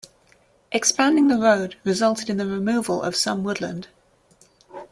Expanding the road resulted in the removal of some woodland.